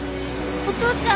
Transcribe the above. お父ちゃん？